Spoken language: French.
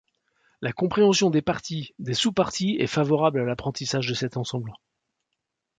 La compréhension des parties, des sous-parties est favorable à l'apprentissage de cet ensemble.